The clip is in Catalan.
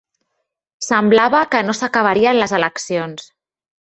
Semblava que no s'acabarien les eleccions.